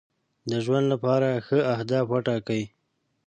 د ژوند لپاره ښه اهداف وټاکئ.